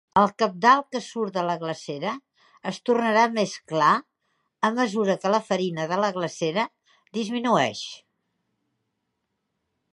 El cabdal que surt de la glacera es tornarà més clar a mesura que la farina de la glacera disminueix.